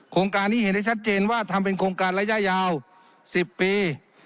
โครงการนี้เห็นได้ชัดเจนว่าทำเป็นโครงการระยะยาว๑๐ปี